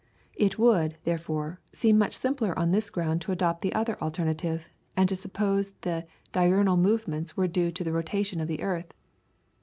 It would, therefore, seem much simpler on this ground to adopt the other alternative, and to suppose the diurnal movements were due to the rotation of the earth.